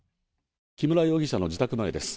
木村容疑者の自宅前です。